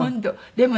でもね